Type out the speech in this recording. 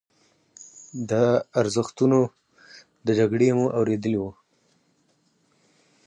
د ارزښتونو د جګړې مو اورېدلي وو.